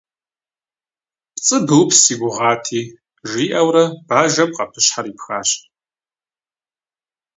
Пцӏы быупс си гугъати, - жиӏэурэ бажэм къэпыщхьэр ипхащ.